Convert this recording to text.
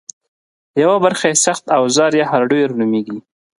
یوه برخه یې سخت اوزار یا هارډویر نومېږي